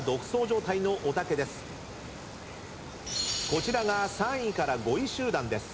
こちらが３位から５位集団です。